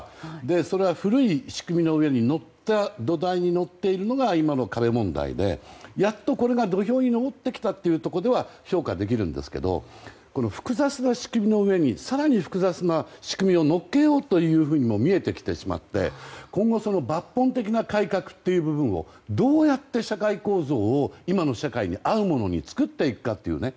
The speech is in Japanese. それは古い仕組みの上の土台に乗っているのが今の壁問題でやっとこれが土俵に上ってきたというところでは評価できますが複雑な仕組みの上に更に複雑な仕組みを乗っけようというふうにも見えてきてしまって今後、それが抜本的な改革という部分でどうやって社会構造を今の社会に合うものに作っていくかというね。